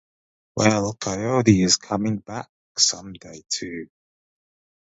Well, Coyote is coming back some day, too.